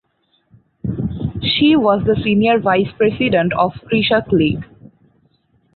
She was the senior vice president of Krishak League.